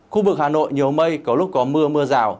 khu vực hà nội nhiều mây có lúc có mưa mưa rào